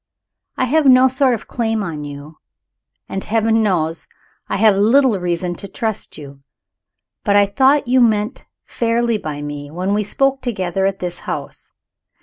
I have no sort of claim on you. And, Heaven knows, I have little reason to trust you. But I thought you meant fairly by me when we spoke together at this house.